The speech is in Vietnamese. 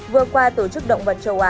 vừa qua tổ chức động vật châu á